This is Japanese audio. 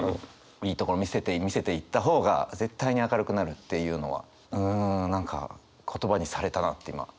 いいところ見せていった方が絶対に明るくなるっていうのはうん何か言葉にされたなって今ちょっと思って。